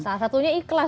salah satunya ikhlas nih